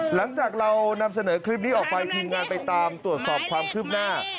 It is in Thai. หลังจากเรานำเสนอคลิปนี้ออกไปทีมงานไปตามตรวจสอบความคืบหน้า